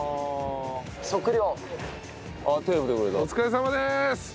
お疲れさまです！